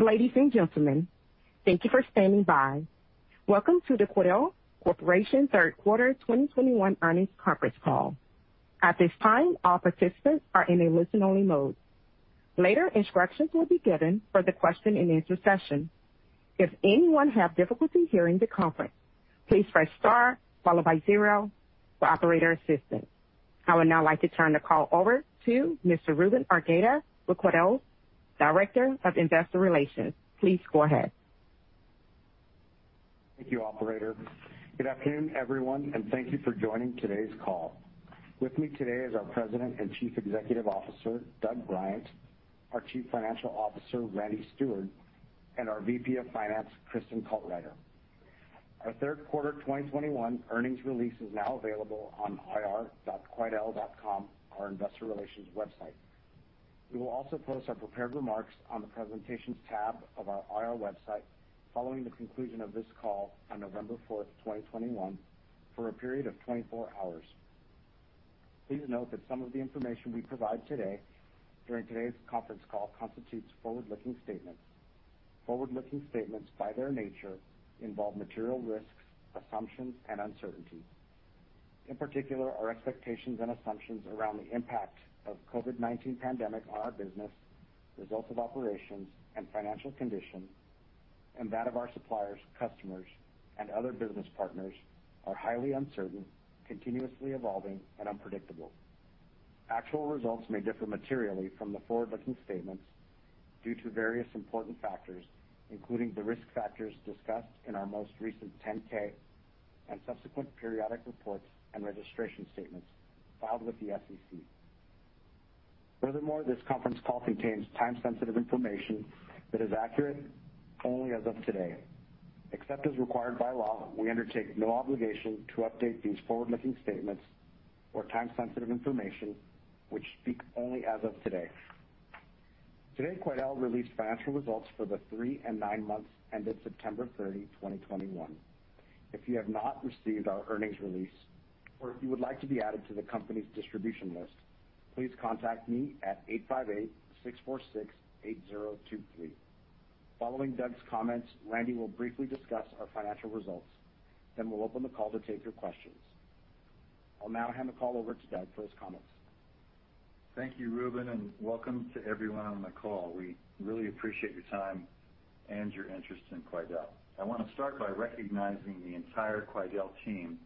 Ladies and gentlemen, thank you for standing by. Welcome to the Quidel Corporation Third Quarter 2021 Earnings Conference Call. At this time, all participants are in a listen-only mode. Later instructions will be given for the question-and-answer session. If anyone have difficulty hearing the conference, please press star followed by zero for operator assistance. I would now like to turn the call over to Mr. Ruben Argueta with Quidel, Director of Investor Relations. Please go ahead. Thank you, operator. Good afternoon, everyone, and thank you for joining today's call. With me today is our President and Chief Executive Officer, Doug Bryant, our Chief Financial Officer, Randy Steward, and our VP of Finance, Kristin Caltrider. Our third quarter 2021 earnings release is now available on ir.quidel.com, our investor relations website. We will also post our prepared remarks on the Presentations tab of our IR website following the conclusion of this call on November 4, 2021 for a period of 24 hours. Please note that some of the information we provide today during today's conference call constitutes forward-looking statements. Forward-looking statements, by their nature, involve material risks, assumptions, and uncertainty. In particular, our expectations and assumptions around the impact of COVID-19 pandemic on our business, results of operations and financial condition, and that of our suppliers, customers, and other business partners are highly uncertain, continuously evolving and unpredictable. Actual results may differ materially from the forward-looking statements due to various important factors, including the risk factors discussed in our most recent 10-K and subsequent periodic reports and registration statements filed with the SEC. Furthermore, this conference call contains time-sensitive information that is accurate only as of today. Except as required by law, we undertake no obligation to update these forward-looking statements or time-sensitive information, which speak only as of today. Today, Quidel released financial results for the three and nine months ended September 30, 2021. If you have not received our earnings release or if you would like to be added to the company's distribution list, please contact me at 858-646-8023. Following Doug's comments, Randy will briefly discuss our financial results. We'll open the call to take your questions. I'll now hand the call over to Doug for his comments. Thank you, Ruben, and welcome to everyone on the call. We really appreciate your time and your interest in Quidel. I wanna start by recognizing the entire Quidel team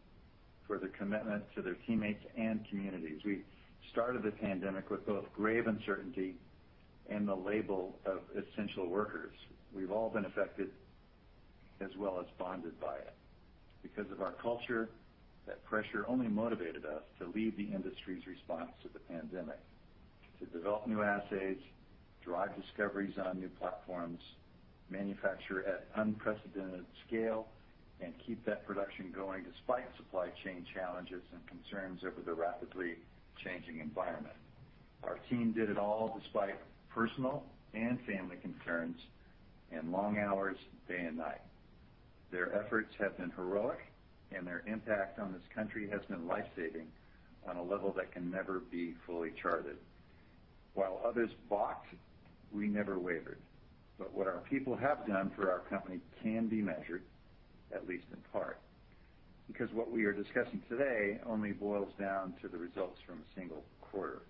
for their commitment to their teammates and communities. We started the pandemic with both grave uncertainty and the label of essential workers. We've all been affected as well as bonded by it. Because of our culture, that pressure only motivated us to lead the industry's response to the pandemic, to develop new assays, drive discoveries on new platforms, manufacture at unprecedented scale, and keep that production going despite supply chain challenges and concerns over the rapidly changing environment. Our team did it all despite personal and family concerns and long hours, day and night. Their efforts have been heroic, and their impact on this country has been life-saving on a level that can never be fully charted. While others balked, we never wavered, but what our people have done for our company can be measured, at least in part, because what we are discussing today only boils down to the results from a single quarter.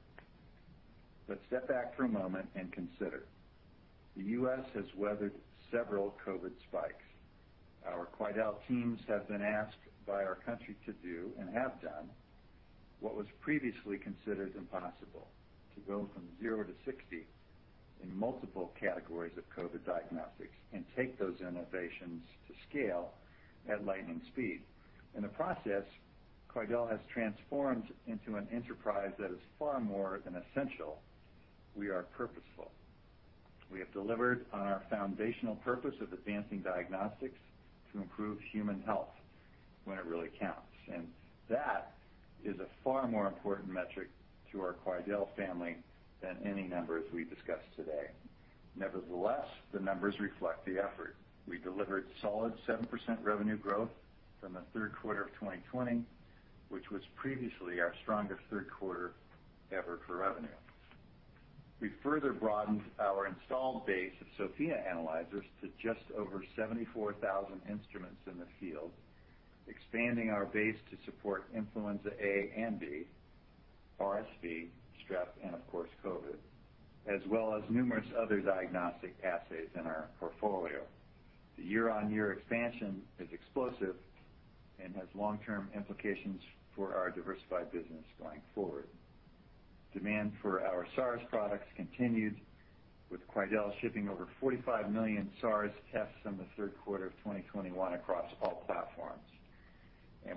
Step back for a moment and consider. The U.S. has weathered several COVID spikes. Our Quidel teams have been asked by our country to do and have done what was previously considered impossible, to go from zero to 60 in multiple categories of COVID diagnostics and take those innovations to scale at lightning speed. In the process, Quidel has transformed into an enterprise that is far more than essential. We are purposeful. We have delivered on our foundational purpose of advancing diagnostics to improve human health when it really counts, and that is a far more important metric to our Quidel family than any numbers we discuss today. Nevertheless, the numbers reflect the effort. We delivered solid 7% revenue growth from the third quarter of 2020, which was previously our strongest third quarter ever for revenue. We further broadened our installed base of Sofia analyzers to just over 74,000 instruments in the field, expanding our base to support Influenza A and B, RSV, Strep, and of course, COVID, as well as numerous other diagnostic assays in our portfolio. The year-on-year expansion is explosive and has long-term implications for our diversified business going forward. Demand for our SARS products continued, with Quidel shipping over 45 million SARS tests in the third quarter of 2021 across all platforms.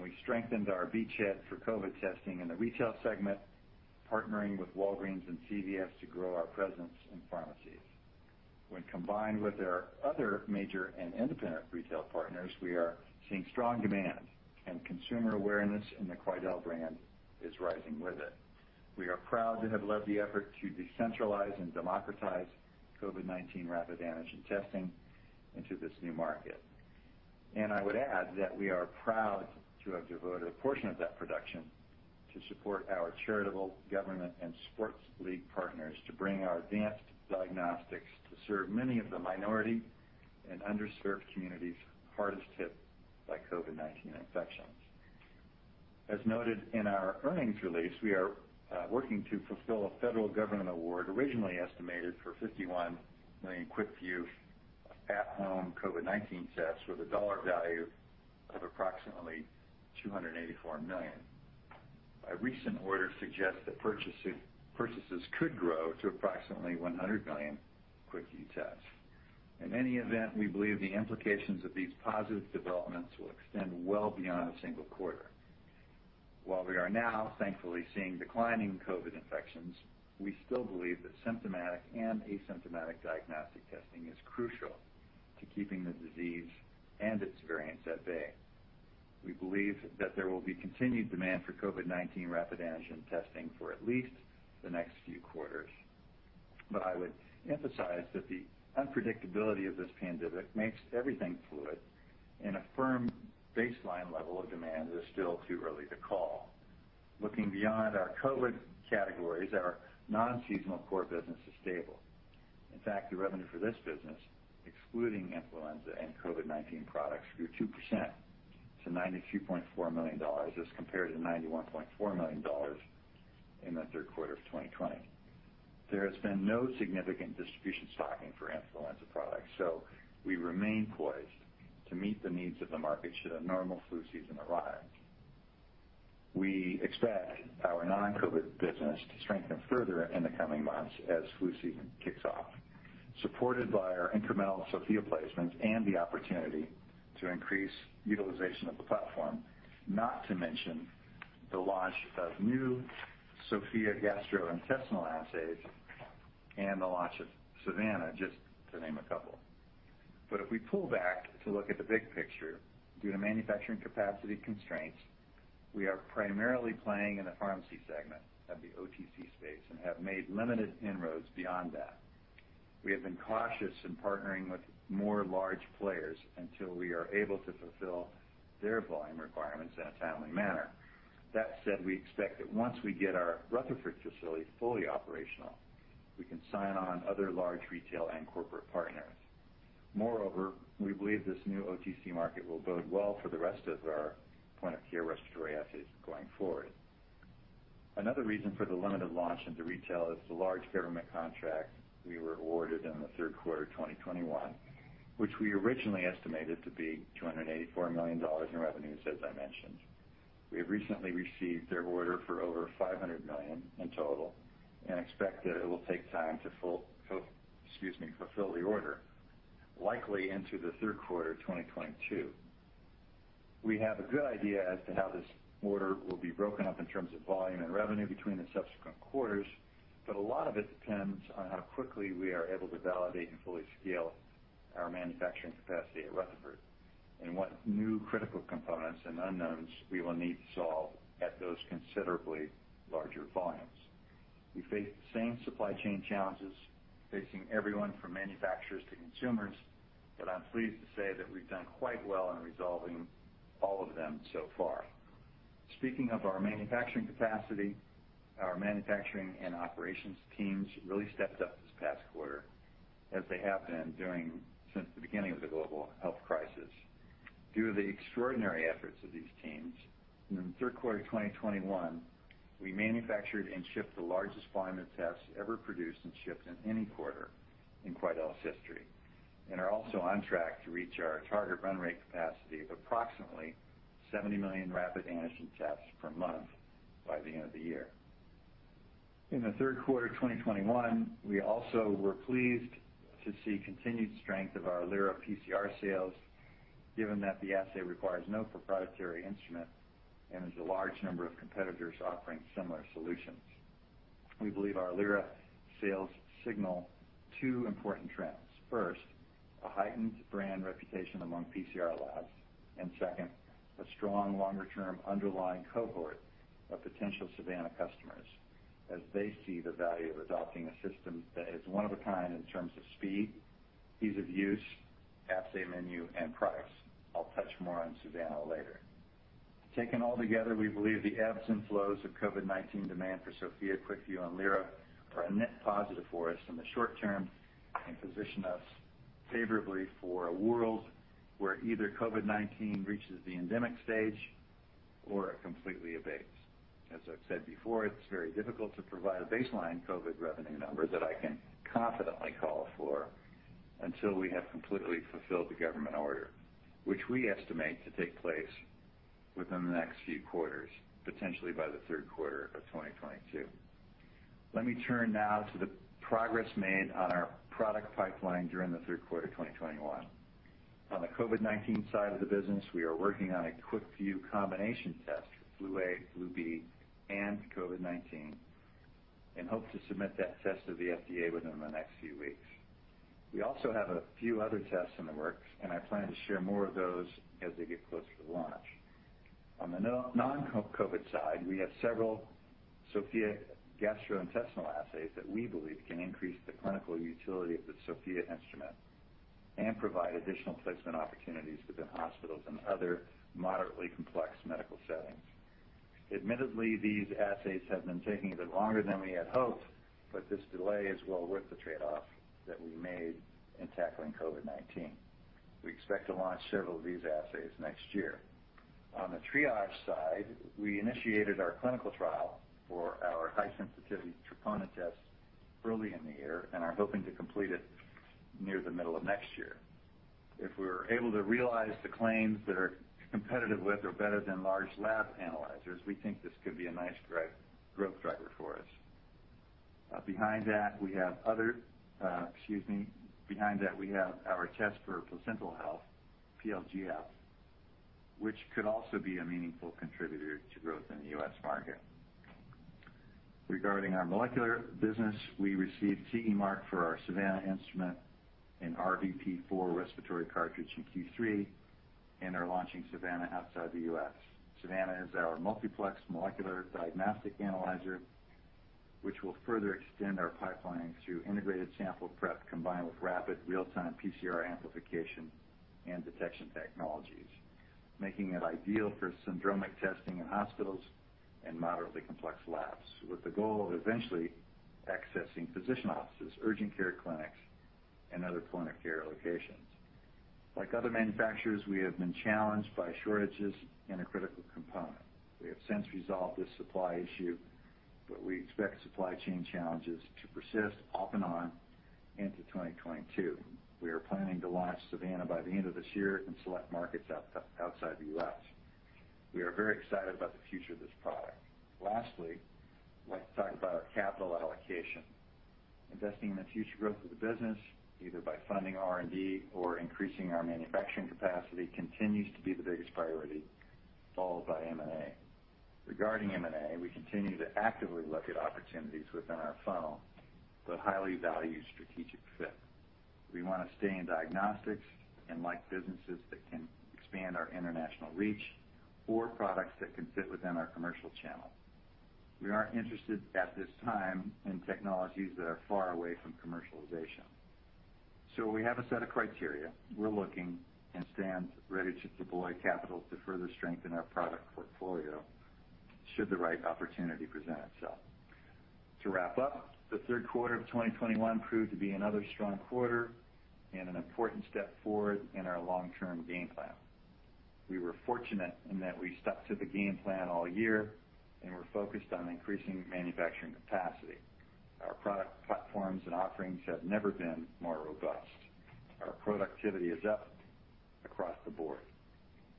We strengthened our beachhead for COVID testing in the retail segment, partnering with Walgreens and CVS to grow our presence in pharmacies. When combined with our other major and independent retail partners, we are seeing strong demand and consumer awareness in the Quidel brand is rising with it. We are proud to have led the effort to decentralize and democratize COVID-19 rapid antigen testing into this new market. I would add that we are proud to have devoted a portion of that production to support our charitable government and sports league partners to bring our advanced diagnostics to serve many of the minority and underserved communities hardest hit by COVID-19 infections. As noted in our earnings release, we are working to fulfill a federal government award originally estimated for 51 million QuickVue At-Home COVID-19 tests with a dollar value of approximately $284 million. A recent order suggests that purchases could grow to approximately 100 million QuickVue tests. In any event, we believe the implications of these positive developments will extend well beyond a single quarter. While we are now thankfully seeing declining COVID infections, we still believe that symptomatic and asymptomatic diagnostic testing is crucial to keeping the disease and its variants at bay. We believe that there will be continued demand for COVID-19 rapid antigen testing for at least the next few quarters. I would emphasize that the unpredictability of this pandemic makes everything fluid, and a firm baseline level of demand is still too early to call. Looking beyond our COVID categories, our non-seasonal core business is stable. In fact, the revenue for this business, excluding Influenza and COVID-19 products, grew 2% to $92.4 million as compared to $91.4 million in the third quarter of 2020. There has been no significant distribution stocking for Influenza products, so we remain poised to meet the needs of the market should a normal flu season arrive. We expect our non-COVID business to strengthen further in the coming months as flu season kicks off, supported by our incremental Sofia placements and the opportunity to increase utilization of the platform, not to mention the launch of new Sofia gastrointestinal assays and the launch of Savanna, just to name a couple. If we pull back to look at the big picture, due to manufacturing capacity constraints, we are primarily playing in the pharmacy segment of the OTC space and have made limited inroads beyond that. We have been cautious in partnering with more large players until we are able to fulfill their volume requirements in a timely manner. That said, we expect that once we get our Rutherford facility fully operational, we can sign on other large retail and corporate partners. Moreover, we believe this new OTC market will bode well for the rest of our point-of-care respiratory assays going forward. Another reason for the limited launch into retail is the large government contract we were awarded in the third quarter of 2021, which we originally estimated to be $284 million in revenues, as I mentioned. We have recently received their order for over $500 million in total and expect that it will take time to fulfill the order, likely into the third quarter of 2022. We have a good idea as to how this order will be broken up in terms of volume and revenue between the subsequent quarters, but a lot of it depends on how quickly we are able to validate and fully scale our manufacturing capacity at Rutherford and what new critical components and unknowns we will need to solve at those considerably larger volumes. We face the same supply chain challenges facing everyone from manufacturers to consumers, but I'm pleased to say that we've done quite well in resolving all of them so far. Speaking of our manufacturing capacity, our manufacturing and operations teams really stepped up this past quarter as they have been doing since the beginning of the global health crisis. Due to the extraordinary efforts of these teams, in the third quarter of 2021, we manufactured and shipped the largest volume of tests ever produced and shipped in any quarter in Quidel's history, and are also on track to reach our target run rate capacity of approximately 70 million rapid antigen tests per month by the end of the year. In the third quarter of 2021, we also were pleased to see continued strength of our Lyra PCR sales, given that the assay requires no proprietary instrument and there's a large number of competitors offering similar solutions. We believe our Lyra sales signal two important trends. First, a heightened brand reputation among PCR labs. Second, a strong longer-term underlying cohort of potential Savanna customers as they see the value of adopting a system that is one of a kind in terms of speed, ease of use, assay menu, and price. I'll touch more on Savanna later. Taken altogether, we believe the ebbs and flows of COVID-19 demand for Sofia, QuickVue, and Lyra are a net positive for us in the short term and position us favorably for a world where either COVID-19 reaches the endemic stage or it completely abates. As I've said before, it's very difficult to provide a baseline COVID revenue number that I can confidently call for until we have completely fulfilled the government order, which we estimate to take place within the next few quarters, potentially by the third quarter of 2022. Let me turn now to the progress made on our product pipeline during the third quarter of 2021. On the COVID-19 side of the business, we are working on a QuickVue combination test for flu A, flu B, and COVID-19, and hope to submit that test to the FDA within the next few weeks. We also have a few other tests in the works, and I plan to share more of those as they get closer to launch. On the non-COVID side, we have several Sofia gastrointestinal assays that we believe can increase the clinical utility of the Sofia instrument and provide additional placement opportunities within hospitals and other moderately complex medical settings. Admittedly, these assays have been taking a bit longer than we had hoped, but this delay is well worth the trade-off that we made in tackling COVID-19. We expect to launch several of these assays next year. On the Triage side, we initiated our clinical trial for our high-sensitivity Troponin test early in the year and are hoping to complete it near the middle of next year. If we're able to realize the claims that are competitive with or better than large lab analyzers, we think this could be a nice growth driver for us. Behind that, we have our test for placental health, PlGF, which could also be a meaningful contributor to growth in the U.S. market. Regarding our molecular business, we received CE mark for our Savanna instrument and RVP4 respiratory cartridge in Q3, and are launching Savanna outside the U.S. Savanna is our multiplex molecular diagnostic analyzer, which will further extend our pipeline through integrated sample prep combined with rapid real-time PCR amplification and detection technologies, making it ideal for syndromic testing in hospitals and moderately complex labs, with the goal of eventually accessing physician offices, urgent care clinics, and other point-of-care locations. Like other manufacturers, we have been challenged by shortages in a critical component. We have since resolved this supply issue, but we expect supply chain challenges to persist off and on into 2022. We are planning to launch Savanna by the end of this year in select markets outside the U.S. We are very excited about the future of this product. Lastly, I'd like to talk about our capital allocation. Investing in the future growth of the business, either by funding R&D or increasing our manufacturing capacity, continues to be the biggest priority, followed by M&A. Regarding M&A, we continue to actively look at opportunities within our funnel, but highly value strategic fit. We wanna stay in diagnostics and like businesses that can expand our international reach or products that can fit within our commercial channel. We aren't interested, at this time, in technologies that are far away from commercialization. We have a set of criteria. We're looking and stand ready to deploy capital to further strengthen our product portfolio should the right opportunity present itself. To wrap up, the third quarter of 2021 proved to be another strong quarter and an important step forward in our long-term game plan. We were fortunate in that we stuck to the game plan all year, and we're focused on increasing manufacturing capacity. Our product platforms and offerings have never been more robust. Our productivity is up across the board,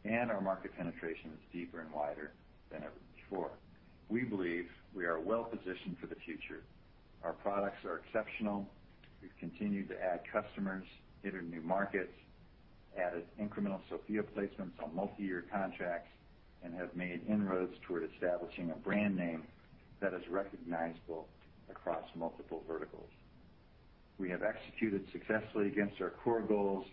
and our market penetration is deeper and wider than ever before. We believe we are well positioned for the future. Our products are exceptional. We've continued to add customers, enter new markets, added incremental Sofia placements on multi-year contracts, and have made inroads toward establishing a brand name that is recognizable across multiple verticals. We have executed successfully against our core goals,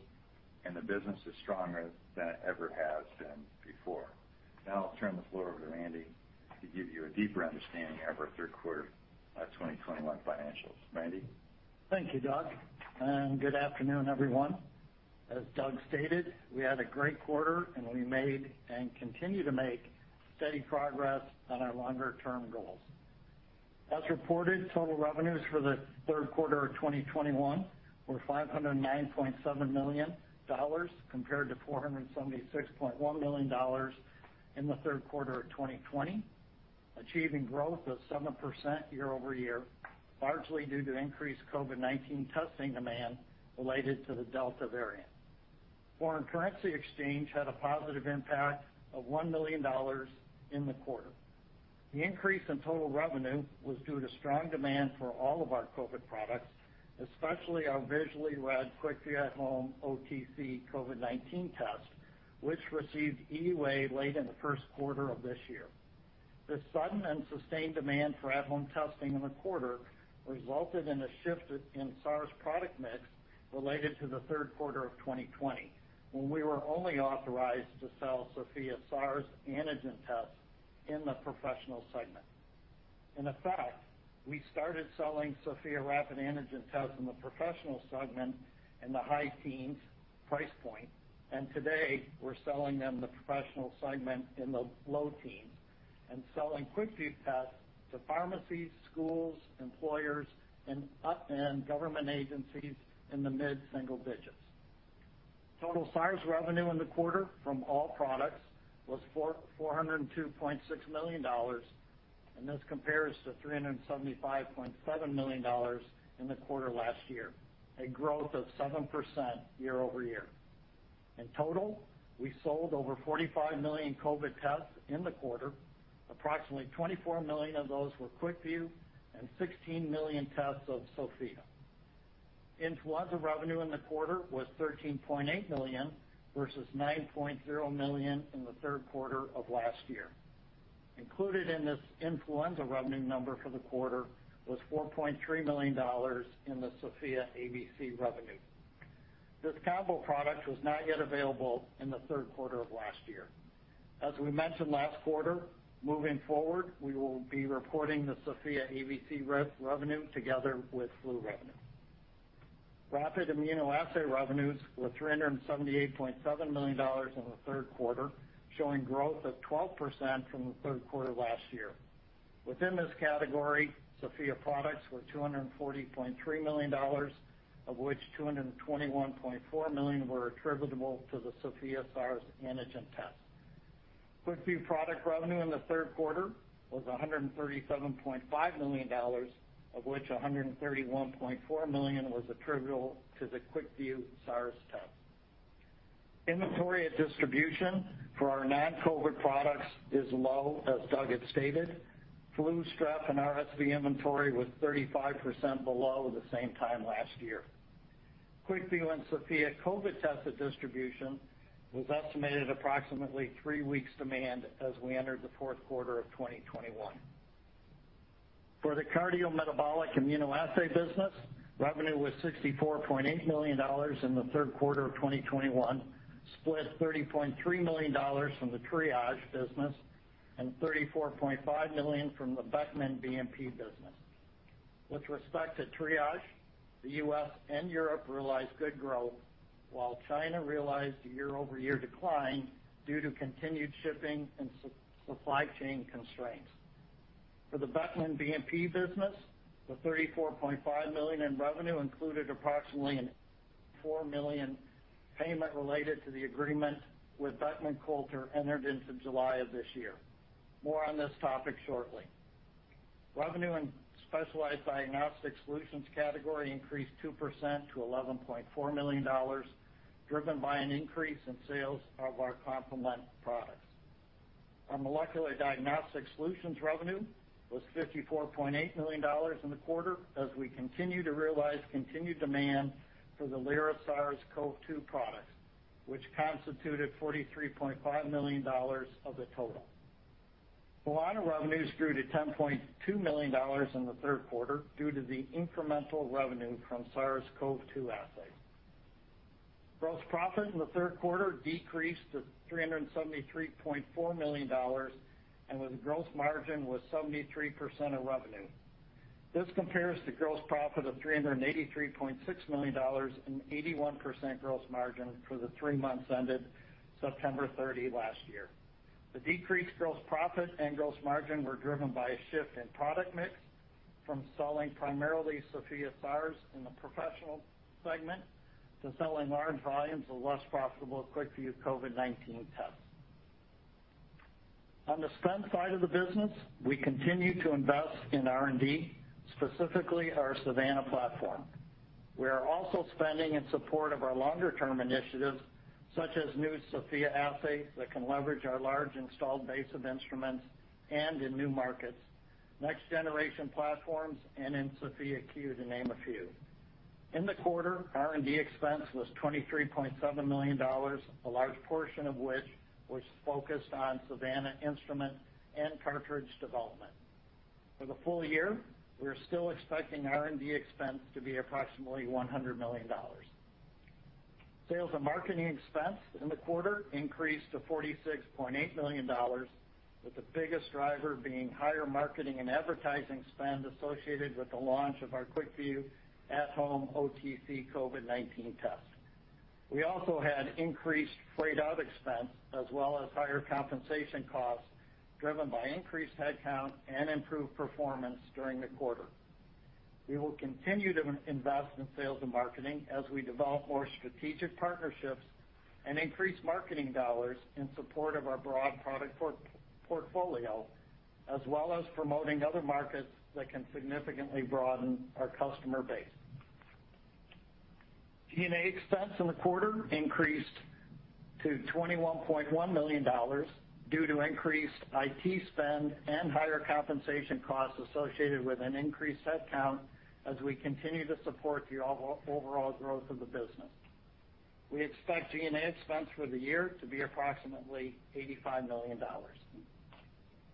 and the business is stronger than it ever has been before. Now I'll turn the floor over to Randy to give you a deeper understanding of our third quarter, 2021 financials. Randy? Thank you, Doug, and good afternoon, everyone. As Doug stated, we had a great quarter, and we made and continue to make steady progress on our longer-term goals. As reported, total revenues for the third quarter of 2021 were $509.7 million compared to $476.1 million in the third quarter of 2020, achieving growth of 7% year-over-year, largely due to increased COVID-19 testing demand related to the Delta variant. Foreign currency exchange had a positive impact of $1 million in the quarter. The increase in total revenue was due to strong demand for all of our COVID products, especially our visually QuickVue At-Home OTC COVID-19 Test, which received EUA late in the first quarter of this year. The sudden and sustained demand for at-home testing in the quarter resulted in a shift in SARS product mix related to the third quarter of 2020, when we were only authorized to sell Sofia SARS antigen tests in the Professional segment. In effect, we started selling Sofia rapid antigen tests in the Professional segment in the high teens price point, and today we're selling them in the Professional segment in the low teens and selling QuickVue tests to pharmacies, schools, employers, and U.S. and government agencies in the mid-single digits. Total SARS revenue in the quarter from all products was $402.6 million, and this compares to $375.7 million in the quarter last year, a growth of 7% year-over-year. In total, we sold over 45 million COVID tests in the quarter. Approximately 24 million of those were QuickVue and 16 million tests of Sofia. Influenza revenue in the quarter was $13.8 million vs $9.0 million in the third quarter of last year. Included in this Influenza revenue number for the quarter was $4.3 million in the Sofia ABC revenue. This combo product was not yet available in the third quarter of last year. As we mentioned last quarter, moving forward, we will be reporting the Sofia ABC revenue together with flu revenue. Rapid immunoassay revenues were $378.7 million in the third quarter, showing growth of 12% from the third quarter last year. Within this category, Sofia products were $240.3 million, of which $221.4 million were attributable to the Sofia SARS antigen test. QuickVue product revenue in the third quarter was $137.5 million, of which $131.4 million was attributable to the QuickVue SARS test. Inventory at distribution for our non-COVID products is low, as Doug had stated. Flu, Strep, and RSV inventory was 35% below the same time last year. QuickVue and Sofia COVID test distribution was estimated approximately three weeks demand as we entered the fourth quarter of 2021. For the cardiometabolic immunoassay business, revenue was $64.8 million in the third quarter of 2021, split $30.3 million from the Triage business and $34.5 million from the Beckman BNP business. With respect to Triage, the U.S. and Europe realized good growth while China realized year-over-year decline due to continued shipping and supply chain constraints. For the Beckman BNP business, the $34.5 million in revenue included approximately a $4 million payment related to the agreement with Beckman Coulter entered into July of this year. More on this topic shortly. Revenue in specialized diagnostic solutions category increased 2% to $11.4 million, driven by an increase in sales of our complement products. Our molecular diagnostic solutions revenue was $54.8 million in the quarter as we continue to realize continued demand for the Lyra SARS-CoV-2 products, which constituted $43.5 million of the total. Solana revenues grew to $10.2 million in the third quarter due to the incremental revenue from SARS-CoV-2 Assays. Gross profit in the third quarter decreased to $373.4 million and the gross margin was 73% of revenue. This compares to gross profit of $383.6 million and 81% gross margin for the three months ended September 30 last year. The decreased gross profit and gross margin were driven by a shift in product mix from selling primarily Sofia SARS in the Professional segment to selling large volumes of less profitable QuickVue COVID-19 tests. On the spend side of the business, we continue to invest in R&D, specifically our Savanna platform. We are also spending in support of our longer-term initiatives, such as new Sofia assays that can leverage our large installed base of instruments and in new markets, next-generation platforms and in Sofia 2, to name a few. In the quarter, R&D expense was $23.7 million, a large portion of which was focused on Savanna instrument and cartridge development. For the full year, we are still expecting R&D expense to be approximately $100 million. Sales and marketing expense in the quarter increased to $46.8 million, with the biggest driver being higher marketing and advertising spend associated with the launch of QuickVue At-Home OTC COVID-19 Test. we also had increased freight out expense as well as higher compensation costs driven by increased headcount and improved performance during the quarter. We will continue to invest in sales and marketing as we develop more strategic partnerships and increase marketing dollars in support of our broad product portfolio, as well as promoting other markets that can significantly broaden our customer base. G&A expense in the quarter increased to $21.1 million due to increased IT spend and higher compensation costs associated with an increased headcount as we continue to support the overall growth of the business. We expect G&A expense for the year to be approximately $85 million.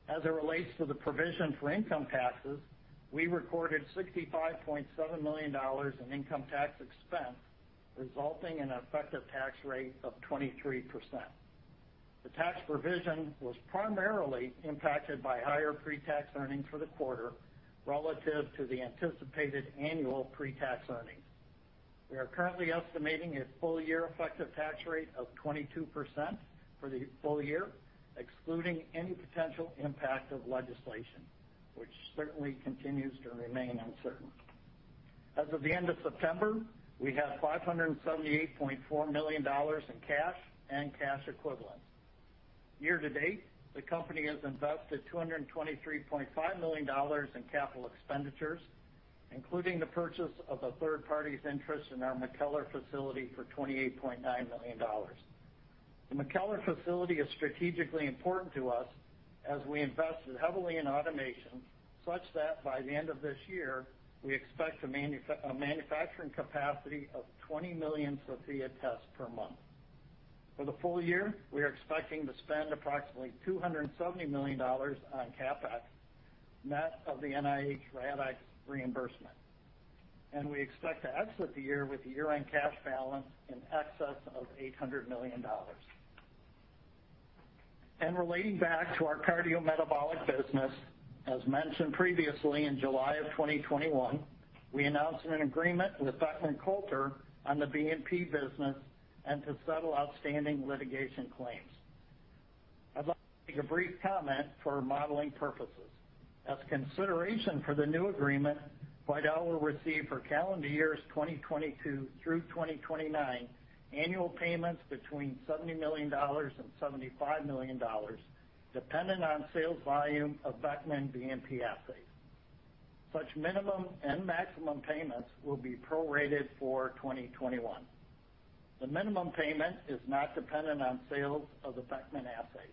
As it relates to the provision for income taxes, we recorded $65.7 million in income tax expense, resulting in an effective tax rate of 23%. The tax provision was primarily impacted by higher pre-tax earnings for the quarter relative to the anticipated annual pre-tax earnings. We are currently estimating a full year effective tax rate of 22% for the full year, excluding any potential impact of legislation, which certainly continues to remain uncertain. As of the end of September, we have $578.4 million in cash and cash equivalents. Year to date, the company has invested $223.5 million in capital expenditures, including the purchase of a third party's interest in our McKellar facility for $28.9 million. The McKellar facility is strategically important to us as we invested heavily in automation, such that by the end of this year, we expect a manufacturing capacity of 20 million Sofia tests per month. For the full year, we are expecting to spend approximately $270 million on CapEx, net of the NIH RADx reimbursement. We expect to exit the year with a year-end cash balance in excess of $800 million. Relating back to our cardiometabolic business, as mentioned previously, in July of 2021, we announced an agreement with Beckman Coulter on the BNP business and to settle outstanding litigation claims. I'd like to make a brief comment for modeling purposes. As consideration for the new agreement, Quidel will receive for calendar years 2022 through 2029 annual payments between $70 million and $75 million, dependent on sales volume of Beckman BNP assays. Such minimum and maximum payments will be prorated for 2021. The minimum payment is not dependent on sales of the Beckman assay.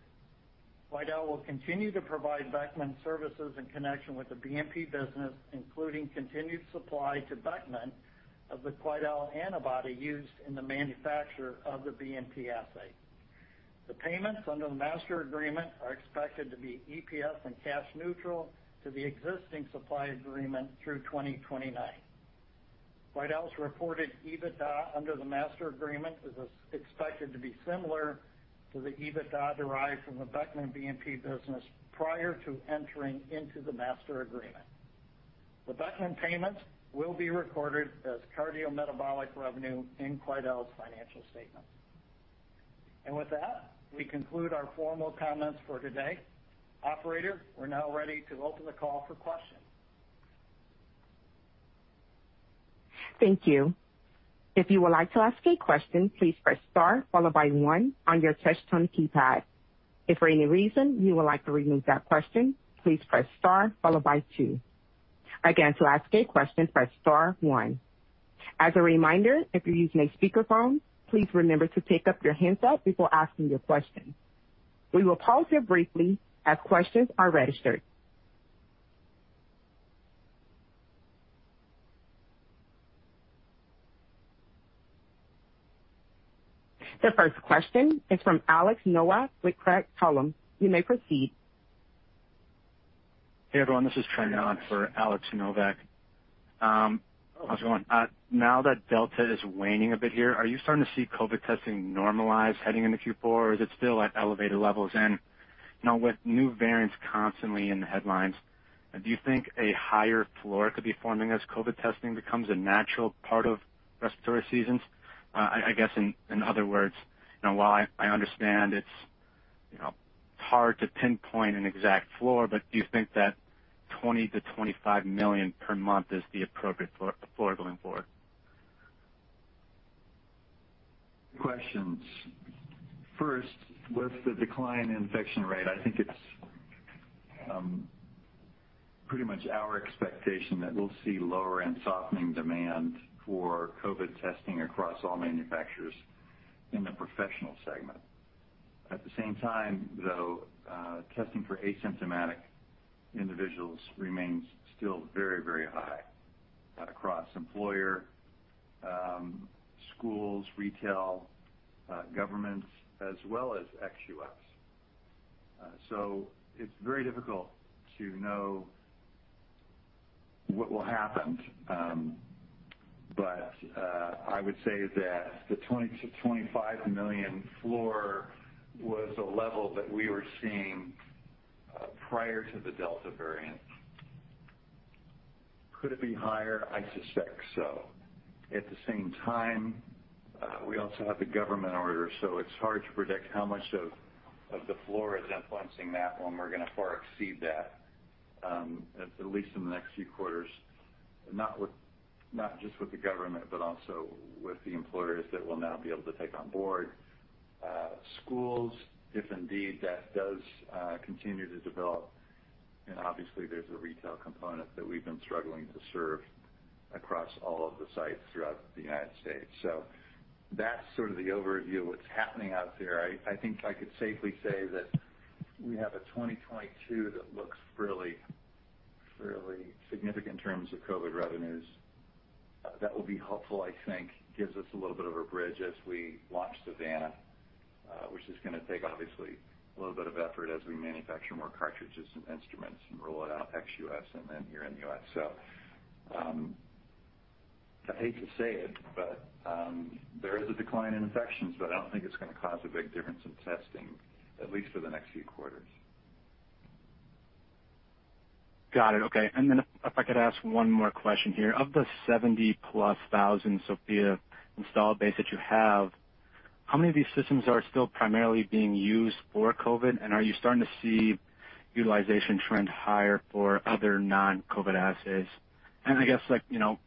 Quidel will continue to provide Beckman services in connection with the BNP business, including continued supply to Beckman of the Quidel antibody used in the manufacture of the BNP assay. The payments under the master agreement are expected to be EPS and cash neutral to the existing supply agreement through 2029. Quidel's reported EBITDA under the master agreement is expected to be similar to the EBITDA derived from the Beckman BNP business prior to entering into the master agreement. The Beckman payments will be recorded as cardiometabolic revenue in Quidel's financial statements. With that, we conclude our formal comments for today. Operator, we're now ready to open the call for questions. Thank you. If you would like to ask a question, please press star followed by 1 on your touch tone keypad. If for any reason you would like to remove that question, please press star followed by two. Again, to ask a question, press star one. As a reminder, if you're using a speakerphone, please remember to pick up your handset before asking your question. We will pause here briefly as questions are registered. The first question is from Alex Nowak with Craig-Hallum. You may proceed. Hey, everyone, this is Trenton on for Alex Nowak. How's it going? Now that Delta is waning a bit here, are you starting to see COVID testing normalize heading into Q4, or is it still at elevated levels? You know, with new variants constantly in the headlines, do you think a higher floor could be forming as COVID testing becomes a natural part of respiratory seasons? I guess in other words, you know, while I understand it's, you know, hard to pinpoint an exact floor, but do you think that 20-25 million per month is the appropriate floor going forward? Questions. First, with the decline in infection rate, I think it's pretty much our expectation that we'll see lower end softening demand for COVID testing across all manufacturers in the Professional segment. At the same time, though, testing for asymptomatic individuals remains still very, very high across employer, schools, retail, governments as well as ex-U.S. So it's very difficult to know what will happen. But I would say that the 20-25 million floor was a level that we were seeing prior to the Delta variant. Could it be higher? I suspect so. At the same time, we also have the government order, so it's hard to predict how much of the floor is influencing that when we're gonna far exceed that, at least in the next few quarters, not just with the government, but also with the employers that we'll now be able to take on board. Schools, if indeed that does continue to develop, and obviously there's a retail component that we've been struggling to serve across all of the sites throughout the United States. That's sort of the overview of what's happening out there. I think I could safely say that we have a 2022 that looks really, really significant in terms of COVID revenues. That will be helpful, I think, gives us a little bit of a bridge as we launch Savanna, which is gonna take obviously a little bit of effort as we manufacture more cartridges and instruments and roll it out ex-U.S. and then here in the U.S. I hate to say it, but there is a decline in infections, but I don't think it's gonna cause a big difference in testing, at least for the next few quarters. Got it. Okay. If I could ask one more question here. Of the 70,000+ Sofia installed base that you have, how many of these systems are still primarily being used for COVID? Are you starting to see utilization trend higher for other non-COVID assays? I guess, like, you know,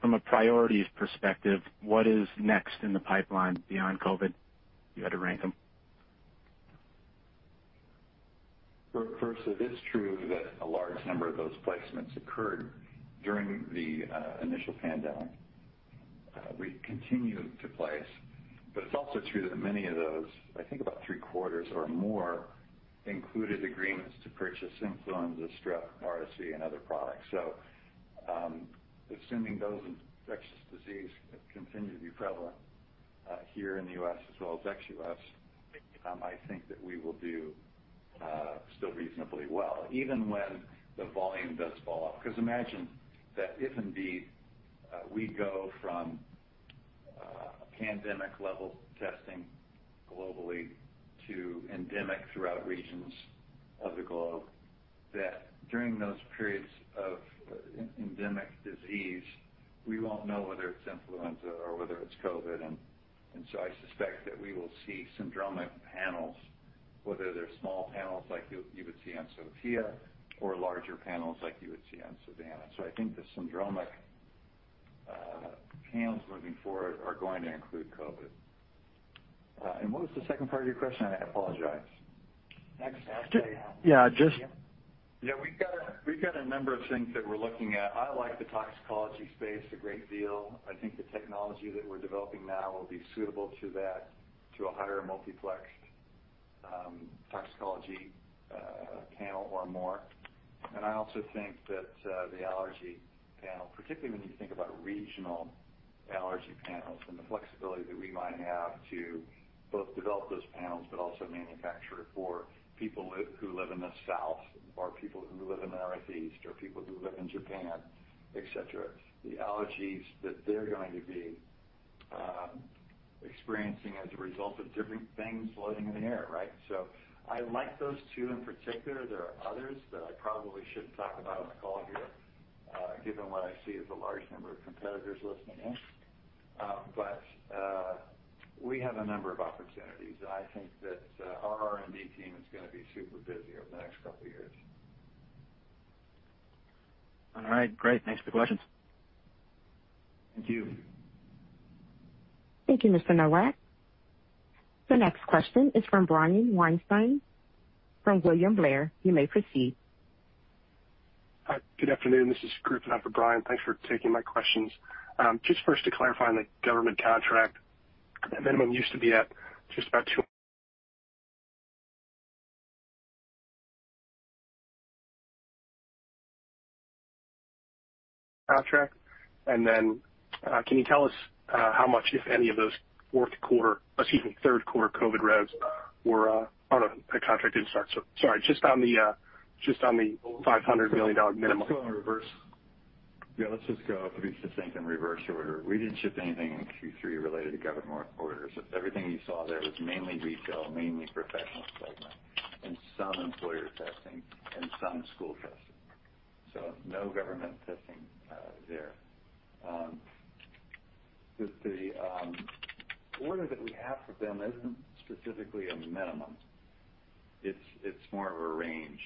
from a priorities perspective, what is next in the pipeline beyond COVID, if you had to rank them? First, it is true that a large number of those placements occurred during the initial pandemic. We continue to place, but it's also true that many of those, I think about three-quarters or more, included agreements to purchase Influenza, Strep, RSV, and other products. Assuming those infectious disease continue to be prevalent here in the U.S. as well as ex-U.S., I think that we will do still reasonably well, even when the volume does fall off. Because imagine that if indeed we go from pandemic level testing globally to endemic throughout regions of the globe, that during those periods of endemic disease, we won't know whether it's Influenza or whether it's COVID. I suspect that we will see syndromic panels, whether they're small panels like you would see on Sofia or larger panels like you would see on Savanna. I think the syndromic panels moving forward are going to include COVID. What was the second part of your question? I apologize. Next, I'll tell you. Yeah. Yeah, we've got a number of things that we're looking at. I like the toxicology space a great deal. I think the technology that we're developing now will be suitable to that, to a higher multiplex, toxicology, panel or more. I also think that the allergy panel, particularly when you think about regional allergy panels and the flexibility that we might have to both develop those panels but also manufacture it for people who live in the South or people who live in the Northeast or people who live in Japan, et cetera. The allergies that they're going to be experiencing as a result of different things floating in the air, right? I like those two in particular. There are others that I probably shouldn't talk about on the call here, given what I see as a large number of competitors listening in. We have a number of opportunities. I think that our R&D team is gonna be super busy over the next couple of years. All right, great. Thanks for the questions. Thank you. Thank you, Mr. Nowak. The next question is from Brian Weinstein from William Blair. You may proceed. Hi, good afternoon. This is Griffin for Brian. Thanks for taking my questions. Just first to clarify on the government contract, that minimum used to be at just about $200 million contract, and then can you tell us how much, if any, of those third quarter COVID revs were. Oh, no, that contract didn't start, so sorry. Just on the $500 million minimum. Let's go in reverse. Yeah, let's just go, if we could think in reverse order. We didn't ship anything in Q3 related to government orders. Everything you saw there was mainly retail, mainly Professional segment, and some employer testing and some school testing. No government testing there. The order that we have for them isn't specifically a minimum. It's more of a range.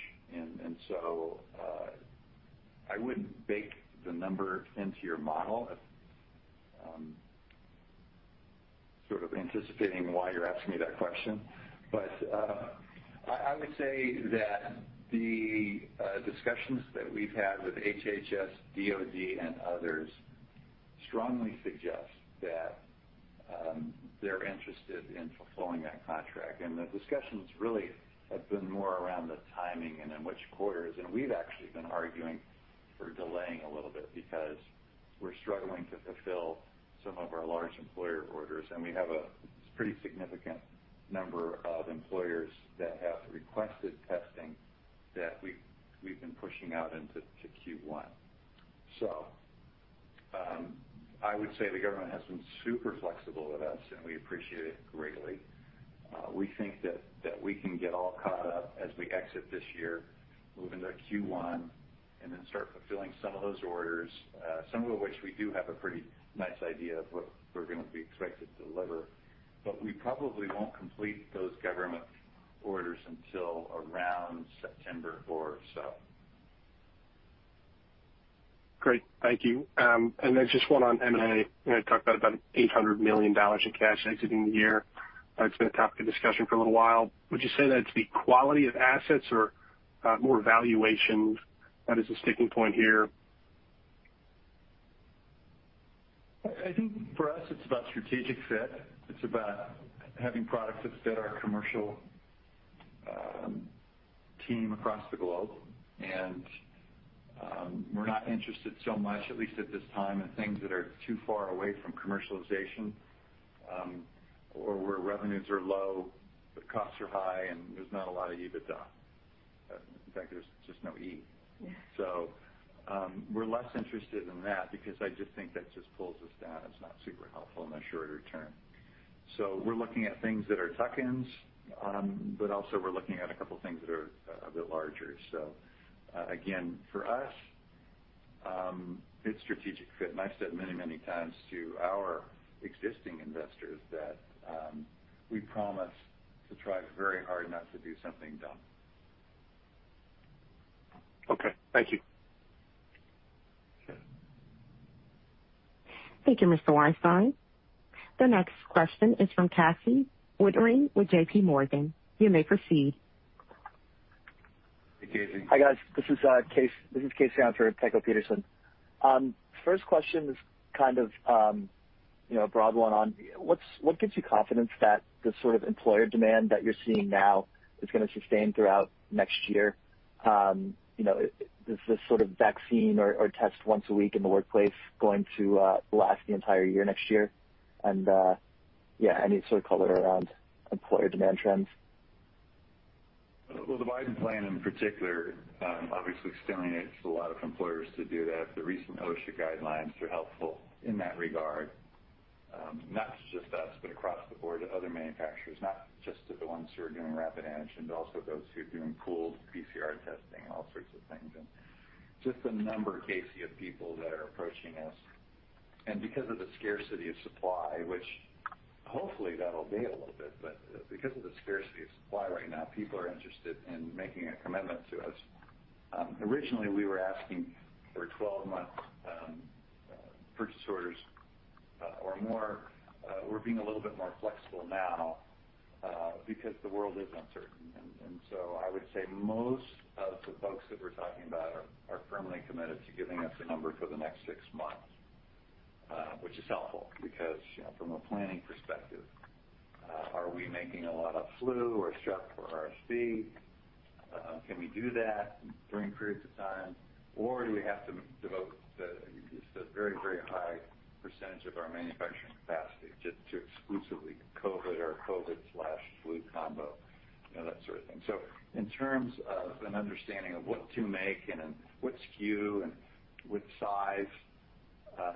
I wouldn't bake the number into your model, sort of anticipating why you're asking me that question. I would say that the discussions that we've had with HHS, DOD, and others strongly suggest that they're interested in fulfilling that contract. The discussions really have been more around the timing and in which quarters. We've actually been arguing for delaying a little bit because we're struggling to fulfill some of our large employer orders, and we have a pretty significant number of employers that have requested testing that we've been pushing out into Q1. I would say the government has been super flexible with us, and we appreciate it greatly. We think that we can get all caught up as we exit this year, move into Q1, and then start fulfilling some of those orders, some of which we do have a pretty nice idea of what we're gonna be expected to deliver. We probably won't complete those government orders until around September or so. Great. Thank you. Just one on M&A. You know, talked about $800 million in cash exiting the year. It's been a topic of discussion for a little while. Would you say that it's the quality of assets or more valuation that is a sticking point here? I think for us, it's about strategic fit. It's about having products that fit our commercial team across the globe. We're not interested so much, at least at this time, in things that are too far away from commercialization or where revenues are low, the costs are high, and there's not a lot of EBITDA. In fact, there's just no E. We're less interested in that because I just think that just pulls us down. It's not super helpful in the shorter term. We're looking at things that are tuck-ins, but also we're looking at a couple of things that are a bit larger. Again, for us, it's strategic fit, and I've said many, many times to our existing investors that we promise to try very hard not to do something dumb. Okay. Thank you. Okay. Thank you, Mr. Weinstein. The next question is from Casey Woodring with JPMorgan. You may proceed. Hey, Casey. Hi, guys. This is Casey, analyst for Tycho Peterson. First question is kind of you know, a broad one on what gives you confidence that the sort of employer demand that you're seeing now is gonna sustain throughout next year? You know, is this sort of vaccine or test once a week in the workplace going to last the entire year next year? Yeah, any sort of color around employer demand trends. Well, the Biden plan in particular, obviously, incentivizes a lot of employers to do that. The recent OSHA guidelines are helpful in that regard. Not just us, but across the board, other manufacturers, not just the ones who are doing rapid antigen, but also those who are doing pooled PCR testing, all sorts of things. Just the number, Casey, of people that are approaching us. Because of the scarcity of supply, which hopefully that'll fade a little bit, but because of the scarcity of supply right now, people are interested in making a commitment to us. Originally, we were asking for 12-month purchase orders, or more. We're being a little bit more flexible now, because the world is uncertain. I would say most of the folks that we're talking about are firmly committed to giving us a number for the next six months, which is helpful because, you know, from a planning perspective, are we making a lot of flu or strep or RSV? Can we do that during periods of time, or do we have to devote just a very high percentage of our manufacturing capacity just to exclusively COVID or COVID/flu combo, you know, that sort of thing. In terms of an understanding of what to make and in what SKU and which size,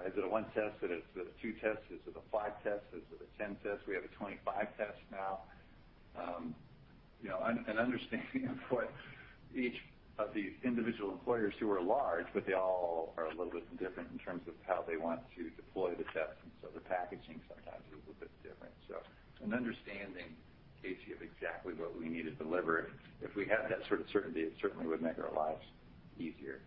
is it a one test? Is it a two test? Is it a five test? Is it a 10 test? We have a 25 test now. You know, understanding of what each of these individual employers who are large, but they all are a little bit different in terms of how they want to deploy the test. The packaging sometimes is a little bit different. An understanding, Casey, of exactly what we need to deliver, if we had that sort of certainty, it certainly would make our lives easier.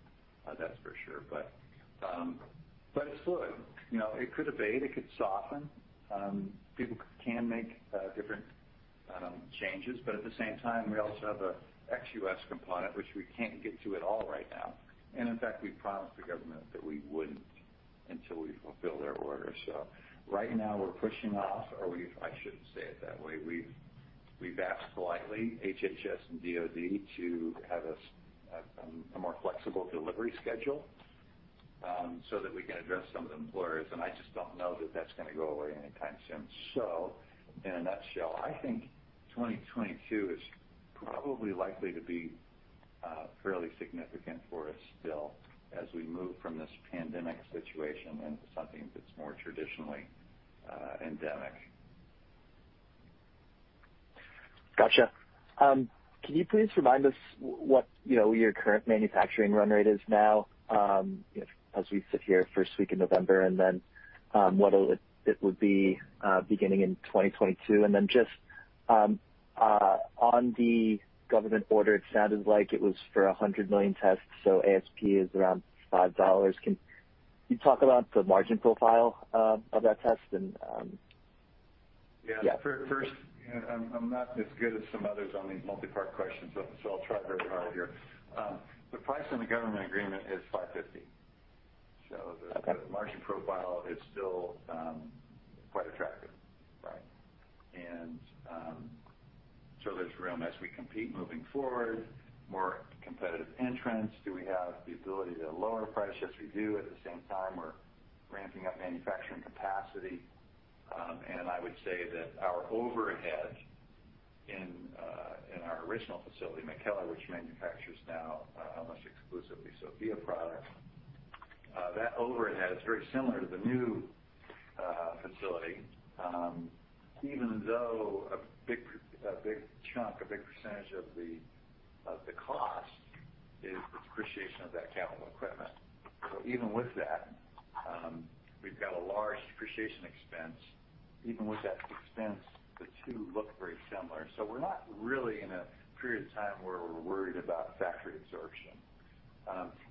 That's for sure. It's fluid. You know, it could abate, it could soften. People can make different changes, but at the same time, we also have a ex-U.S. component, which we can't get to at all right now. In fact, we promised the government that we wouldn't until we fulfill their order. Right now we're pushing off, or I shouldn't say it that way. We've asked politely HHS and DOD to give us a more flexible delivery schedule, so that we can address some of the employers. I just don't know that that's gonna go away anytime soon. In a nutshell, I think 2022 is probably likely to be fairly significant for us still as we move from this pandemic situation into something that's more traditionally endemic. Gotcha. Can you please remind us what, you know, your current manufacturing run rate is now, as we sit here first week in November, and then what it would be beginning in 2022? Just on the government order, it sounded like it was for 100 million tests, so ASP is around $5. Can you talk about the margin profile of that test and Yeah. Yeah. First, I'm not as good as some others on these multi-part questions, but so I'll try very hard here. The price on the government agreement is $550. Okay. The margin profile is still quite attractive. Right. There's room as we compete moving forward, more competitive entrants. Do we have the ability to lower price? Yes, we do. At the same time, we're ramping up manufacturing capacity. I would say that our overhead in our original facility, McKellar, which manufactures now almost exclusively, Sofia product, that overhead is very similar to the new facility. Even though a big chunk, a big percentage of the cost is the depreciation of that capital equipment. Even with that, we've got a large depreciation expense. Even with that expense, the two look very similar. We're not really in a period of time where we're worried about factory absorption.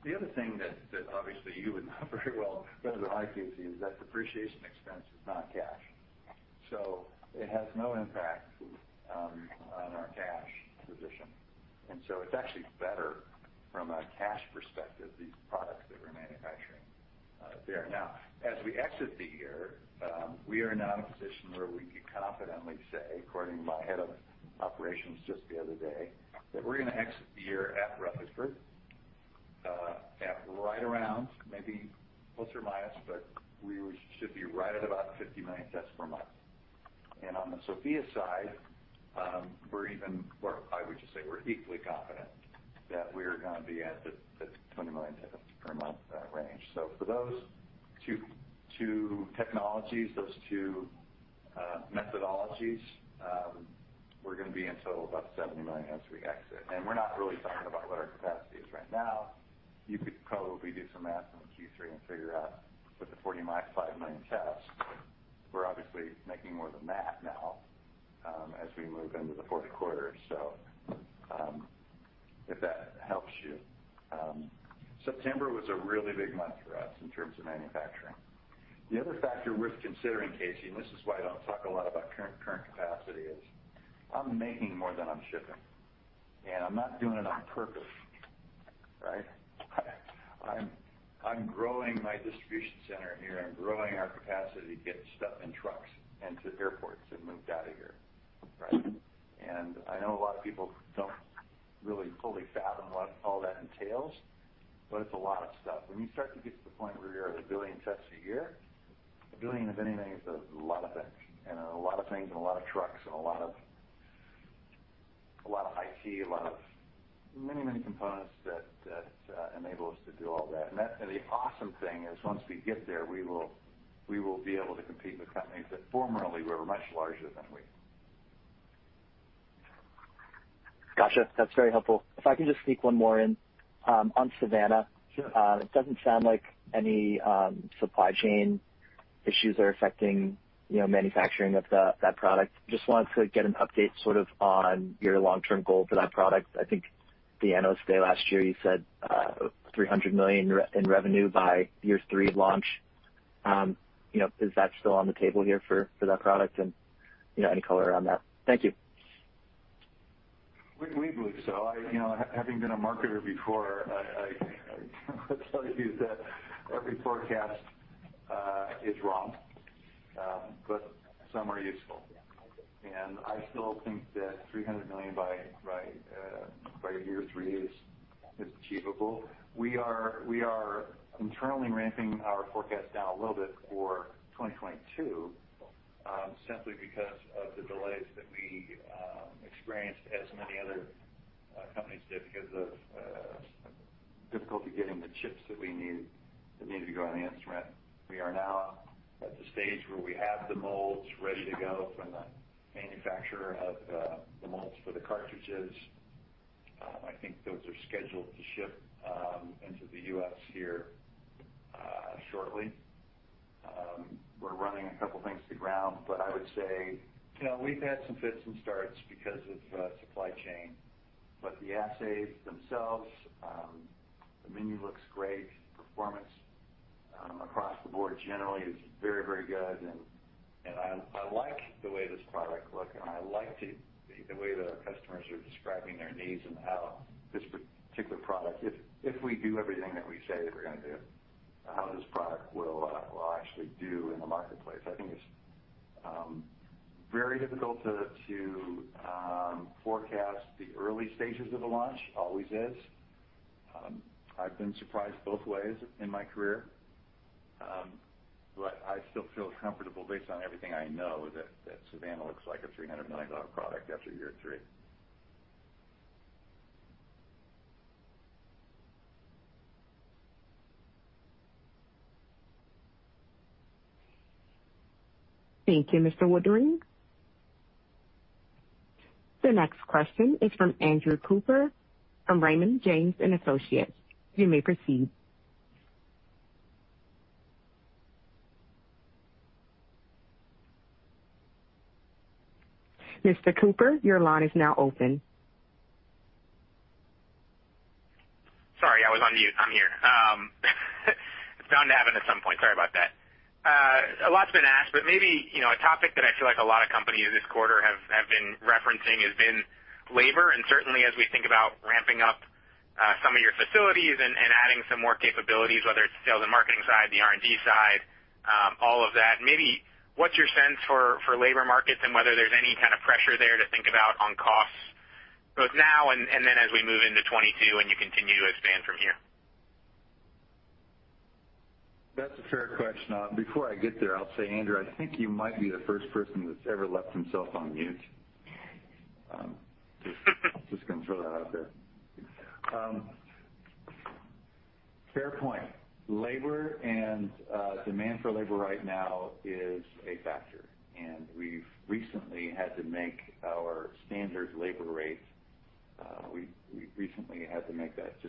The other thing that obviously you would know very well better than I, Casey, is that depreciation expense is not cash. It has no impact on our cash position. It's actually better from a cash perspective, these products that we're manufacturing there. Now, as we exit the year, we are now in a position where we can confidently say, according to my head of operations just the other day, that we're gonna exit the year at Rutherford at right around maybe ±, but we should be right at about 50 million tests per month. On the Sofia side, or I would just say we're equally confident that we're gonna be at the 20 million tests per month range. For those two technologies, those two methodologies, we're gonna be in total about $70 million as we exit. We're not really talking about what our capacity is right now. You could probably do some math on Q3 and figure out with the 45 million tests, we're obviously making more than that now, as we move into the fourth quarter. If that helps you. September was a really big month for us in terms of manufacturing. The other factor worth considering, Casey, and this is why I don't talk a lot about current capacity, is I'm making more than I'm shipping, and I'm not doing it on purpose. Right. I'm growing my distribution center here. I'm growing our capacity to get stuff in trucks and to airports and moved out of here, right? I know a lot of people don't really fully fathom what all that entails, but it's a lot of stuff. When you start to get to the point where you're at 1 billion tests a year, 1 billion of anything is a lot of things and a lot of trucks and a lot of IT, a lot of many, many components that enable us to do all that. The awesome thing is, once we get there, we will be able to compete with companies that formerly were much larger than we. Gotcha. That's very helpful. If I can just sneak one more in, on Savanna. Sure. It doesn't sound like any supply chain issues are affecting, you know, manufacturing of that product. Just wanted to get an update sort of on your long-term goal for that product. I think the Analyst Day last year, you said three hundred million run-rate revenue by year three launch. You know, is that still on the table here for that product? You know, any color on that? Thank you. We believe so. I, you know, having been a marketer before, I can tell you that every forecast is wrong, but some are useful. I still think that $300 million by year three is achievable. We are internally ramping our forecast down a little bit for 2022, simply because of the delays that we experienced as many other companies did because of difficulty getting the chips that we need that need to go on the instrument. We are now at the stage where we have the molds ready to go from the manufacturer of the molds for the cartridges. I think those are scheduled to ship into the U.S. here shortly. We're running a couple things to ground, but I would say, you know, we've had some fits and starts because of supply chain. The assays themselves, the menu looks great. Performance across the board generally is very, very good. I like the way this product looks, and I like the way that our customers are describing their needs and how this particular product, if we do everything that we say that we're gonna do, how this product will actually do in the marketplace. I think it's very difficult to forecast the early stages of the launch. Always is. I've been surprised both ways in my career. I still feel comfortable based on everything I know that Savanna looks like a $300 million product after year three. Thank you, Mr. Woodring. The next question is from Andrew Cooper of Raymond James & Associates. You may proceed. Mr. Cooper, your line is now open. Sorry, I was on mute. I'm here. It's bound to happen at some point. Sorry about that. A lot's been asked, but maybe, you know, a topic that I feel like a lot of companies this quarter have been referencing has been labor. Certainly as we think about ramping up some of your facilities and adding some more capabilities, whether it's sales and marketing side, the R&D side, all of that, maybe what's your sense for labor markets and whether there's any kind of pressure there to think about on costs both now and then as we move into 2022 and you continue to expand from here? That's a fair question. Before I get there, I'll say, Andrew, I think you might be the first person that's ever left himself on mute. Just gonna throw that out there. Fair point. Labor and demand for labor right now is a factor, and we've recently had to make our standard labor rates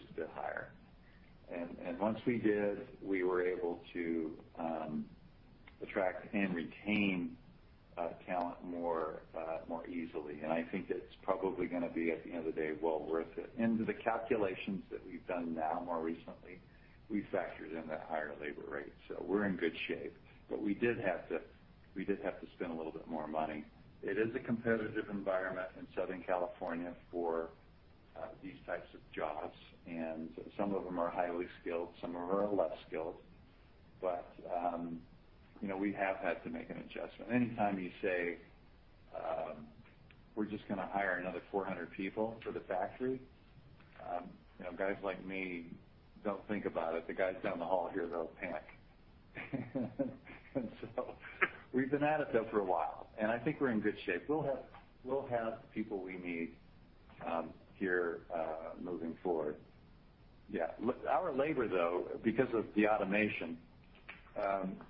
a bit higher. Once we did, we were able to attract and retain talent more easily. I think it's probably gonna be, at the end of the day, well worth it. In the calculations that we've done now more recently, we factored in that higher labor rate, so we're in good shape. We did have to spend a little bit more money. It is a competitive environment in Southern California for these types of jobs, and some of them are highly skilled, some of them are less skilled. You know, we have had to make an adjustment. Anytime you say, "We're just gonna hire another 400 people for the factory," you know, guys like me don't think about it. The guys down the hall here, they'll panic. We've been at it, though, for a while, and I think we're in good shape. We'll have the people we need here moving forward. Yeah. Our labor, though, because of the automation,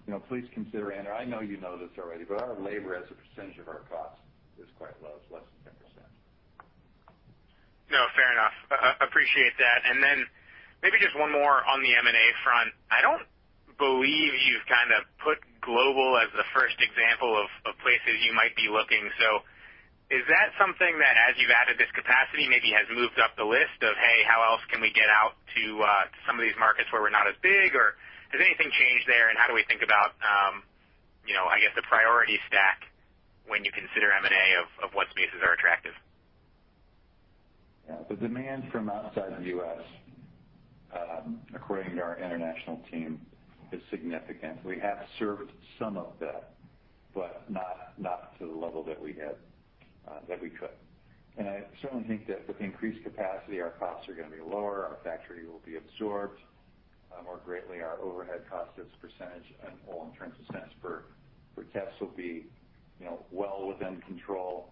you know, please consider, Andrew, I know you know this already, but our labor as a percentage of our cost is quite low. It's less than 10%. No, fair enough. Appreciate that. Maybe just one more on the M&A front. I don't believe you've kind of put global as the first example of places you might be looking. Is that something that, as you've added this capacity, maybe has moved up the list of, hey, how else can we get out to some of these markets where we're not as big? Has anything changed there, and how do we think about, you know, I guess the priority stack? Yeah. The demand from outside the U.S., according to our international team, is significant. We have served some of that, but not to the level that we could. I certainly think that with increased capacity, our costs are going to be lower, our factory will be absorbed more greatly, our overhead cost as a percentage and well, in terms of cents per test will be, you know, well within control,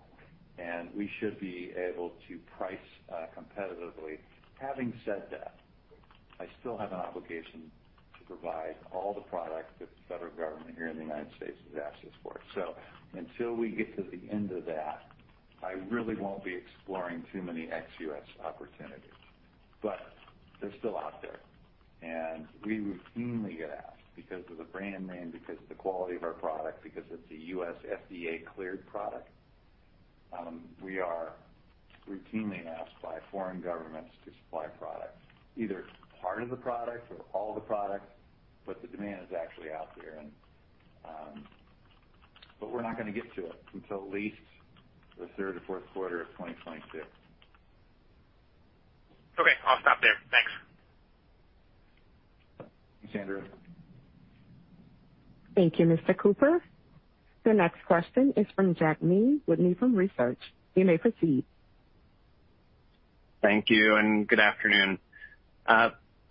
and we should be able to price competitively. Having said that, I still have an obligation to provide all the products that the federal government here in the United States has asked us for. Until we get to the end of that, I really won't be exploring too many ex-U.S. opportunities. They're still out there, and we routinely get asked because of the brand name, because of the quality of our product, because it's a U.S. FDA-cleared product. We are routinely asked by foreign governments to supply product, either part of the product or all the product, but the demand is actually out there and we're not gonna get to it until at least the third or fourth quarter of 2022. Okay, I'll stop there. Thanks. Thanks, Andrew. Thank you, Mr. Cooper. Your next question is from Jack Meehan with Nephron Research. You may proceed. Thank you and good afternoon.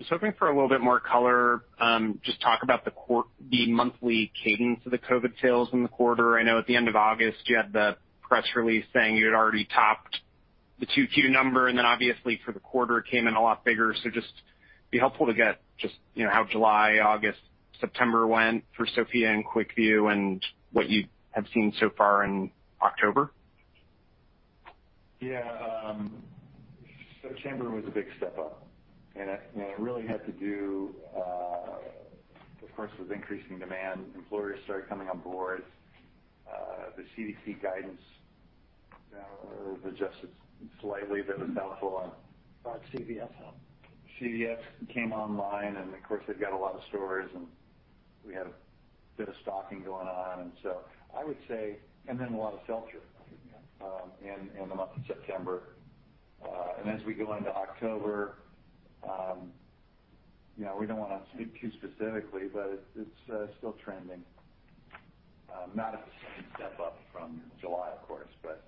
Just hoping for a little bit more color, just talk about the monthly cadence of the COVID sales in the quarter. I know at the end of August, you had the press release saying you had already topped the Q2 number, and then obviously for the quarter it came in a lot bigger. Just be helpful to get just, you know, how July, August, September went for Sofia and QuickVue and what you have seen so far in October. Yeah. September was a big step up, and it really had to do, of course, with increasing demand. Employers started coming on board. The CDC guidance, you know, was adjusted slightly, but it was helpful. Got CVS help. CVS came online, and of course, they've got a lot of stores, and we had a bit of stocking going on. I would say, and then a lot of sell-through. Yeah. In the month of September. As we go into October, you know, we don't wanna speak too specifically, but it's still trending. Not at the same step up from July, of course, but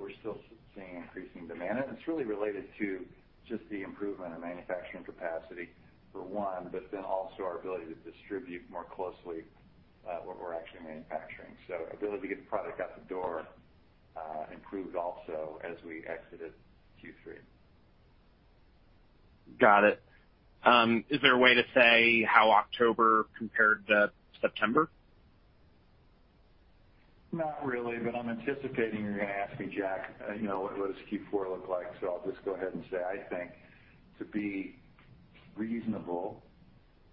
we're still seeing increasing demand. It's really related to just the improvement in manufacturing capacity for one, but then also our ability to distribute more closely what we're actually manufacturing. Ability to get the product out the door improved also as we exited Q3. Got it. Is there a way to say how October compared to September? Not really, but I'm anticipating you're gonna ask me, Jack, you know, what does Q4 look like? I'll just go ahead and say, I think to be reasonable,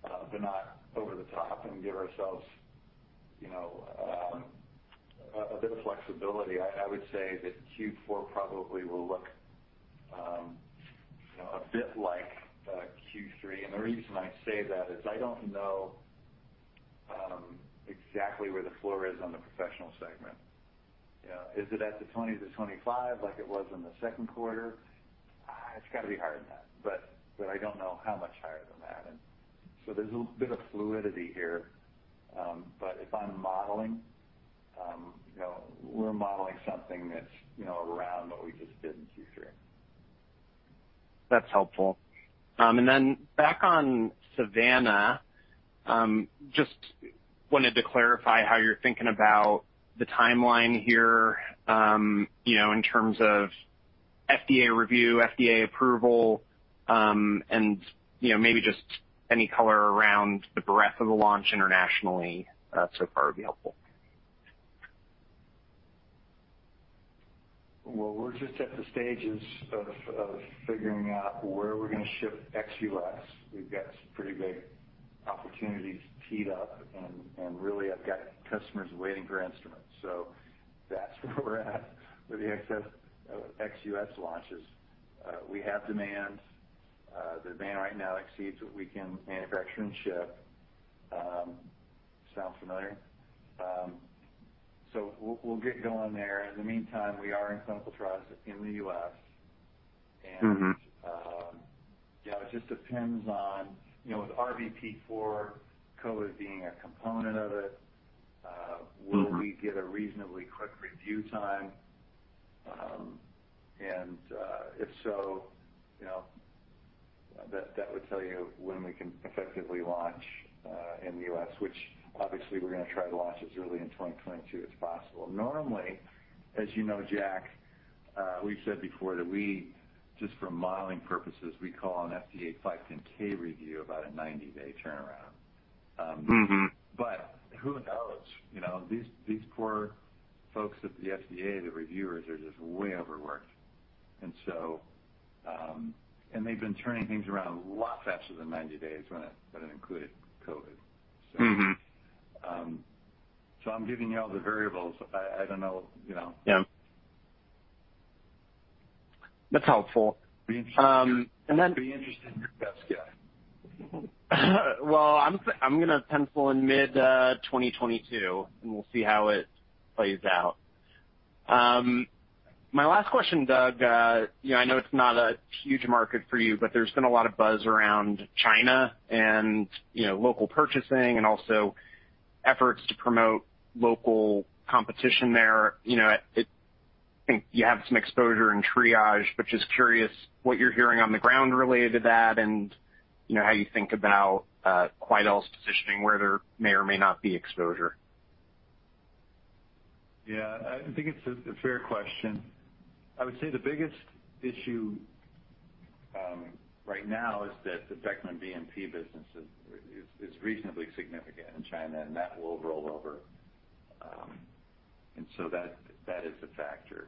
but not over the top and give ourselves, you know, a bit of flexibility, I would say that Q4 probably will look, you know, a bit like Q3. The reason I say that is I don't know exactly where the floor is on the Professional segment. You know, is it at the 20-25 like it was in the second quarter? It's gotta be higher than that, but I don't know how much higher than that. There's a bit of fluidity here. But if I'm modeling, you know, we're modeling something that's, you know, around what we just did in Q3. That's helpful. Back on Savanna, just wanted to clarify how you're thinking about the timeline here, you know, in terms of FDA review, FDA approval, and, you know, maybe just any color around the breadth of the launch internationally, so far would be helpful. We're just at the stages of figuring out where we're gonna ship ex-U.S. We've got some pretty big opportunities teed up and really I've got customers waiting for instruments. That's where we're at with the ex-U.S. launches. We have demand. The demand right now exceeds what we can manufacture and ship. Sound familiar? We'll get going there. In the meantime, we are in clinical trials in the U.S. Mm-hmm. It just depends on, you know, with RVP4, COVID being a component of it. Mm-hmm. Will we get a reasonably quick review time? If so, you know, that would tell you when we can effectively launch in the U.S., which obviously we're gonna try to launch as early in 2022 as possible. Normally, as you know, Jack, we've said before that just for modeling purposes, we call an FDA 510(k) review about a 90-day turnaround. Mm-hmm. Who knows? You know, these poor folks at the FDA, the reviewers, are just way overworked. They've been turning things around a lot faster than 90 days when it included COVID. Mm-hmm. I'm giving you all the variables. I don't know, you know. Yeah. That's helpful. Be interested in your best guess. Well, I'm gonna pencil in mid 2022, and we'll see how it plays out. My last question, Doug, you know, I know it's not a huge market for you, but there's been a lot of buzz around China and, you know, local purchasing and also efforts to promote local competition there. You know, I think you have some exposure in Triage, but just curious what you're hearing on the ground related to that and, you know, how you think about Quidel's positioning, where there may or may not be exposure. Yeah. I think it's a fair question. I would say the biggest issue right now is that the Beckman BNP business is reasonably significant in China, and that will roll over. That is a factor.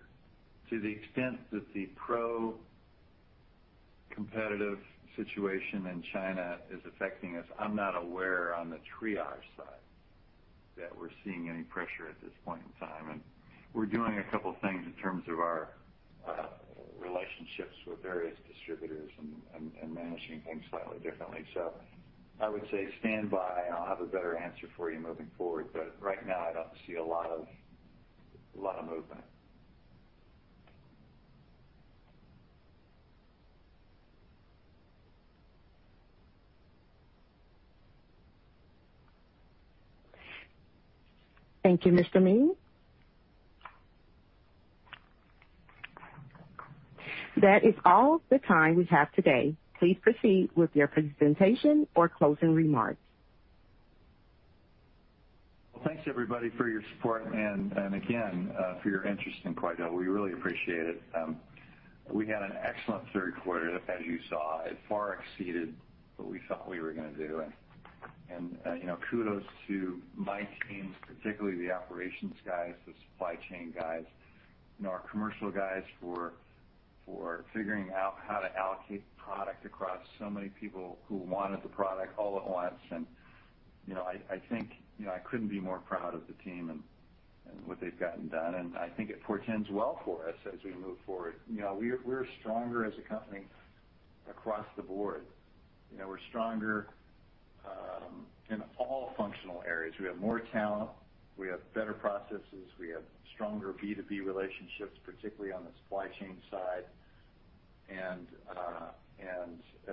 To the extent that the pro-competitive situation in China is affecting us, I'm not aware on the Triage side that we're seeing any pressure at this point in time. We're doing a couple things in terms of our relationships with various distributors and managing things slightly differently. I would say stand by. I'll have a better answer for you moving forward, but right now I don't see a lot of movement. Thank you, Mr. Meehan. That is all the time we have today. Please proceed with your presentation or closing remarks. Well, thanks, everybody, for your support and again for your interest in Quidel. We really appreciate it. We had an excellent third quarter. As you saw, it far exceeded what we thought we were gonna do. You know, kudos to my teams, particularly the operations guys, the supply chain guys, you know, our commercial guys for figuring out how to allocate product across so many people who wanted the product all at once. You know, I think, you know, I couldn't be more proud of the team and what they've gotten done, and I think it portends well for us as we move forward. You know, we're stronger as a company across the board. You know, we're stronger in all functional areas. We have more talent. We have better processes. We have stronger B2B relationships, particularly on the supply chain side.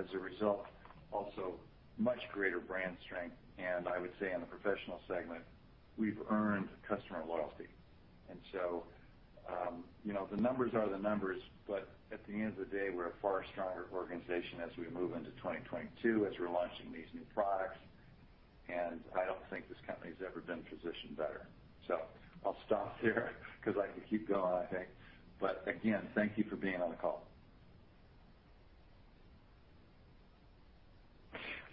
As a result, also much greater brand strength. I would say in the Professional segment, we've earned customer loyalty. You know, the numbers are the numbers, but at the end of the day, we're a far stronger organization as we move into 2022, as we're launching these new products. I don't think this company's ever been positioned better. I'll stop there 'cause I could keep going, I think. Again, thank you for being on the call.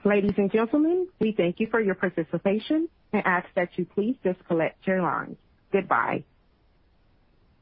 Ladies and gentlemen, we thank you for your participation and ask that you please disconnect your lines. Goodbye.